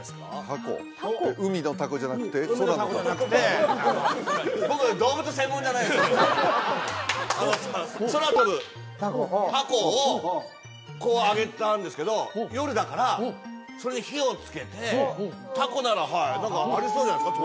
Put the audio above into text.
凧海のタコじゃなくて空の凧海のタコじゃなくて空飛ぶ凧をこう揚げたんですけど夜だからそれに火をつけて凧ならはい何かありそうじゃないですか？